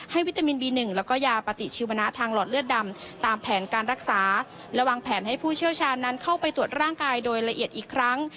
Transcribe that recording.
วิตามินบี๑แล้วก็ยาปฏิชีวนะทางหลอดเลือดดำตามแผนการรักษาและวางแผนให้ผู้เชี่ยวชาญนั้นเข้าไปตรวจร่างกายโดยละเอียดอีกครั้ง